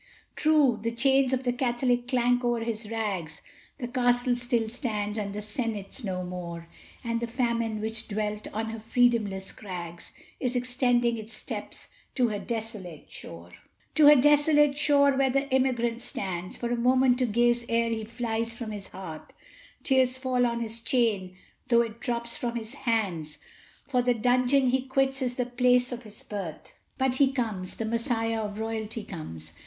True, the chains of the Catholic clank o'er his rags; The castle still stands, and the senate's no more; And the famine which dwelt on her freedomless crags Is extending its steps to her desolate shore. To her desolate shore where the emigrant stands For a moment to gaze ere he flies from his hearth; Tears fall on his chain, though it drops from his hands, For the dungeon he quits is the place of his birth. But he comes! the Messiah of royalty comes!